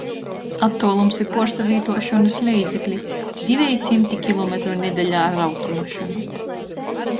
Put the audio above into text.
Attuolums i puorsavītuošonys leidzekli – diveji symti kilometru nedeļā ar automašynu.